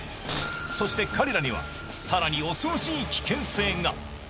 そして彼らにはさらに恐ろしい危険性が。